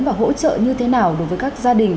và hỗ trợ như thế nào đối với các gia đình